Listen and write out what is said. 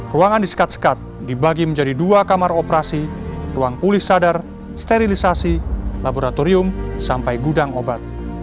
ruangan disekat sekat dibagi menjadi dua kamar operasi ruang pulih sadar sterilisasi laboratorium sampai gudang obat